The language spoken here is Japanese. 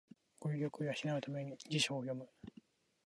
語彙力を養うために辞書を読む